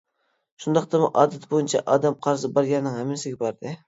شۇنداقتىمۇ ئادىتى بويىچە ئادەم قارىسى بار يەرنىڭ ھەممىسىگە باردى.